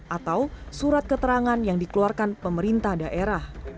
atau surat keterangan yang dikeluarkan pemerintah daerah